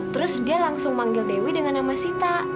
terus dia langsung manggil dewi dengan nama sita